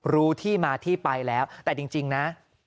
รู้ที่มาที่ไปแล้วแต่จริงนะ